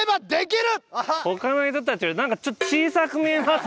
他の人たちよりなんかちょっと小さく見えますね